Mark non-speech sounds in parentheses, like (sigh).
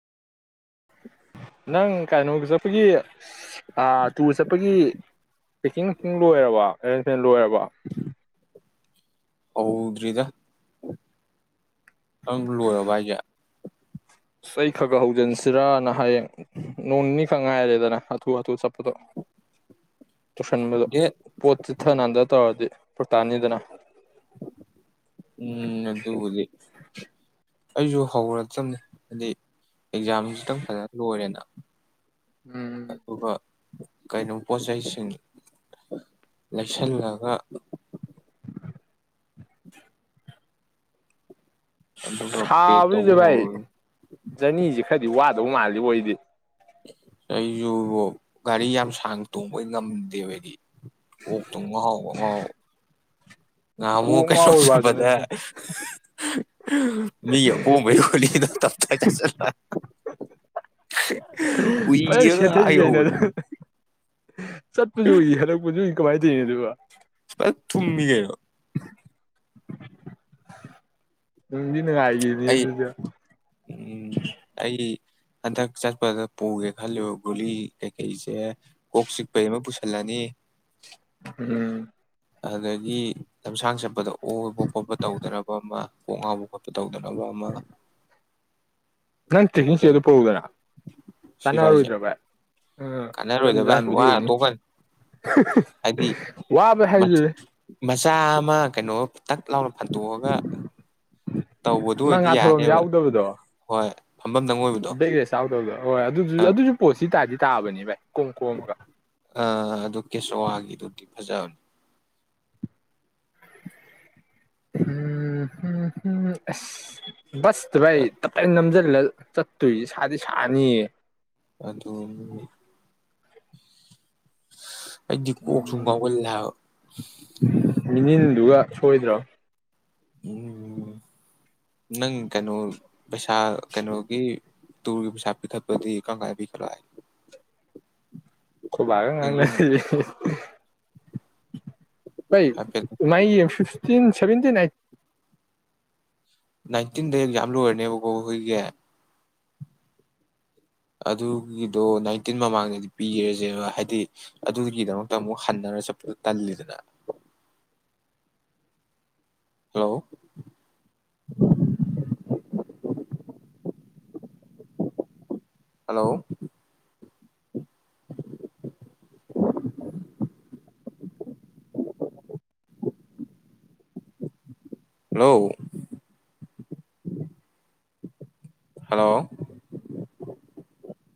ꯅꯪ ꯀꯩꯅꯣꯒꯤ ꯆꯠꯄꯒꯤ ꯇꯨꯔ ꯆꯠꯄꯒꯤ ꯄꯦꯛꯀꯤꯡꯀꯤꯤꯡ ꯂꯣꯏꯔꯕ ꯑꯦꯔꯦꯟꯖꯃꯦꯟ ꯂꯣꯏꯔꯕ ꯍꯥꯎꯗ꯭ꯔꯔꯤꯗ ꯑꯪ ꯂꯣꯏꯔꯕ ꯍꯥꯏꯁꯦ ꯁ ꯈꯔ ꯈ ꯍꯧꯖꯤꯟꯁꯤꯔꯅ ꯍꯌꯦꯡ ꯅꯣꯡ ꯅꯤꯅꯤ ꯈꯛ ꯉꯥꯏꯔꯦꯗꯅ ꯍꯥꯊꯨ ꯍꯥꯊꯨ ꯆꯠꯄꯗꯣ ꯇꯨꯁꯟꯕꯗꯣ ꯗꯦꯠ ꯄꯣꯠ ꯆꯤꯊ ꯍꯟꯗ ꯇꯧꯔꯗꯤ ꯄꯨꯔꯇꯥꯟꯅꯤꯗꯅ ꯎꯝ ꯑꯗꯨꯕꯨꯗꯤ ꯑꯩꯁꯨ ꯍꯧꯔ ꯆꯕꯅꯤ ꯍꯥꯏꯗꯤ ꯑꯦꯛꯖꯥꯝ ꯈꯤꯇꯪ ꯐꯖꯅ ꯂꯣꯏꯔꯦꯅ ꯎꯝ ꯀꯔꯤꯣ ꯄꯣꯠ ꯆꯩꯁꯤꯡ ꯂꯩꯁꯜꯂꯒ ꯑꯗꯨꯒ ꯄꯦꯛ ꯇꯧꯕ ꯁꯥꯕꯁꯦ ꯚꯥꯏ ꯍꯧꯔꯅꯤ ꯖꯅꯤꯁꯦ ꯈꯔꯗꯤ ꯋꯥꯠꯂꯤ ꯗ ꯃꯥꯜꯂꯤ ꯑꯣꯏꯣꯏꯗꯤ ꯑꯩꯁꯨ ꯒꯥꯔꯤ ꯌꯥꯝ ꯁꯥꯡꯅ ꯇꯣꯡꯕꯩ ꯉꯝꯗꯦꯕ ꯍꯥꯏꯗꯤ ꯑꯣ ꯇꯥꯎꯉ ꯉꯃꯨ ꯀꯣꯛ ꯀꯁꯃ ꯉꯥꯎꯕꯩ ꯋꯥꯁꯨ ꯆꯄꯗ ꯅꯠꯇꯦ ꯃꯤꯄꯣꯩ ꯈꯨꯅꯤꯅ ꯇꯞ ꯆ ꯆ ꯎꯏꯔꯒ ꯑꯥ (unintelligible) ꯀꯩꯅꯣ ꯌꯧꯕꯗꯣ ꯑꯗꯨ (unintelligible) ꯆꯠꯄꯁꯨ ꯎꯏ ꯍꯜꯂꯛꯄꯁꯨ ꯀꯃꯥꯏꯇꯧꯋꯤꯅꯣ ꯑꯗꯨꯕꯣ ꯇꯨꯝꯃꯤ ꯀꯩꯅꯣ ꯅꯨꯡꯗꯤ ꯅꯨꯡꯉꯥꯏꯒꯤꯕꯅꯤ ꯑꯩ ꯑꯗꯨꯖꯨ ꯎꯝ ꯑꯩ ꯍꯟꯗꯛ ꯆꯠꯄꯗ ꯄꯨꯒꯦ ꯈꯜꯂꯨ ꯒꯨꯂꯤ ꯀꯩꯀꯩꯁꯦ ꯀꯣꯛ ꯆꯤꯛꯄꯩ ꯑꯃ ꯄꯨꯁꯤꯜꯂꯅꯤ ꯎꯝ ꯑꯗꯒꯤ ꯂꯝꯁꯥꯡ ꯆꯠꯄꯗ ꯑꯣꯕ ꯈꯣꯠꯄ ꯇꯧꯗꯅꯕ ꯑꯃ ꯀꯣꯛ ꯉꯥꯎꯕ ꯈꯣꯠꯄ ꯇꯧ (unintelligible) ꯅꯪ ꯇ꯭ꯔꯦꯛꯀꯤꯡ (unintelligible) ꯄꯨꯔꯛꯎꯗꯅ ꯁꯤꯔꯥꯏꯁꯦ ꯆꯥꯟꯅꯔꯔꯣꯏꯗ꯭ꯔ ꯕꯥꯏ꯫ ꯑꯥ ꯖꯟ ꯀꯥꯟꯅꯔꯣꯏꯗ ꯚꯥꯏ ꯖꯥꯟꯕꯨꯗꯤ ꯋꯥꯔ ꯑꯣꯏꯅꯤ ꯇꯣꯛꯀꯅꯤ ꯍꯥꯏꯗꯤ ꯋꯥꯕ ꯍꯥꯏꯖꯦ ꯆꯥ ꯑꯃ ꯀꯩꯅꯣ ꯇꯛ ꯂꯥꯎꯅ ꯐꯟꯗꯣꯛꯑꯒ ꯅꯪ ꯉꯥꯊꯕꯝ ꯌꯥꯎꯗꯕꯗꯣ ꯍꯣꯏ ꯐꯝꯐꯝꯗꯪ ꯑꯣꯏꯕꯗꯣ ꯕꯦꯛ ꯔꯦꯁ ꯌꯥꯎꯗꯕꯗꯣ ꯍꯣꯏ ꯑꯗꯨ ꯑꯗꯨꯁꯨ ꯄꯣꯁꯇꯤ ꯇꯥꯗꯤ ꯇꯥꯕꯅꯤ ꯚꯥꯏ ꯀꯣꯝ ꯀꯣꯝꯃꯒ ꯑꯥ ꯑꯗꯨ (unintelligible) ꯒꯤꯗꯨꯗꯤ ꯐꯖꯕꯅꯤ ꯎꯝ (unintelligible) (unintelligible) (unintelligible) ꯆꯠꯇꯣꯏꯖꯤ ꯁꯥꯗꯤ ꯁꯥꯅꯤꯌꯦ ꯑꯗꯨ ꯑꯩꯗꯤ ꯀꯣꯛꯁꯨ ꯉꯥꯎꯒꯜꯂꯦ ꯍꯥꯏꯕꯥ ꯃꯤꯅꯤꯜꯗꯨꯒ ꯁꯣꯏꯗ꯭ꯔꯝ ꯎꯝ ꯅꯪ ꯀꯩꯅꯣ ꯄꯩꯁꯥ ꯀꯩꯅꯣꯒꯤ ꯇꯨꯔꯒꯤ ꯄꯩꯁꯥ ꯄꯤꯈꯠꯄꯗꯤ ꯀꯝꯀꯟꯗ ꯄꯤꯈꯠꯂꯣ ꯍꯥꯏ ꯈꯣꯕꯥꯒꯥ ꯅꯪ ꯌꯨꯝ ꯉꯥꯡꯅꯔꯤ ꯍꯥꯏꯐꯦꯠ (unintelligible) ꯇꯤꯟ ꯁꯚꯦꯟꯇꯤꯅꯥꯥꯏꯟ ꯅꯥꯏꯟꯇꯤꯟꯗꯩ ꯑꯦꯛꯖꯥꯝ ꯂꯣꯏꯔꯅꯦꯕꯀꯣ ꯑꯩꯈꯣꯏꯒꯤ ꯑꯗꯨꯒꯤꯗꯣ ꯅꯥꯏꯟꯇꯤꯟ ꯃꯃꯥꯡꯗꯗꯤ ꯄꯤꯔꯁꯦꯕ ꯍꯥꯏꯗꯤ ꯑꯗꯨꯒꯤꯗꯃꯛꯇ ꯑꯃꯨꯛ ꯍꯟꯅꯔ ꯆꯠꯄꯗꯣ ꯇꯜꯂꯤꯗꯅ ꯍꯜꯂꯣ (unintelligible) ꯍꯜꯂꯣ (unintelligible) (inaudible) ꯍꯂꯣ ꯍꯂꯣ